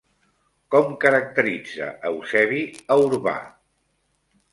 Com caracteritza Eusebi a Urbà?